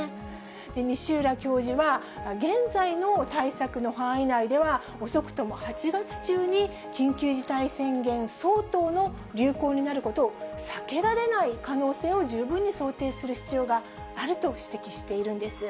西浦教授は、現在の対策の範囲内では、遅くとも８月中に緊急事態宣言相当の流行になることを避けられない可能性を十分に想定する必要があると指摘しているんです。